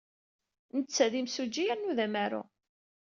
Netta d imsujji yernu d amaru.